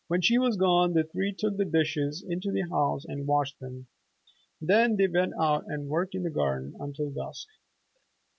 When she was gone the three took the dishes into the house and washed them. Then they went out and worked in the garden until dusk.